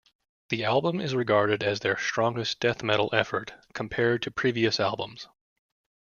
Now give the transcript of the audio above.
The album is regarded as their strongest death metal effort, compared to previous albums.